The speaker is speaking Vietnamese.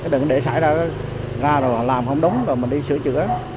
đừng để xảy ra làm không đúng rồi mình đi sửa chữa